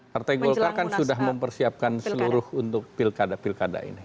partai golkar kan sudah mempersiapkan seluruh untuk pilkada pilkada ini